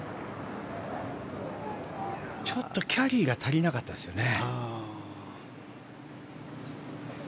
ちょっとキャリーが足りなかったですね。